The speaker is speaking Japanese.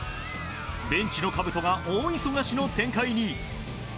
ベンチのかぶとが大忙しの展開に。